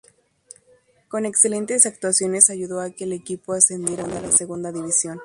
Con excelentes actuaciones ayudó a que el equipo ascendiera de la Segunda División.